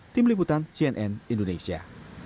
tim liputan cnn indonesia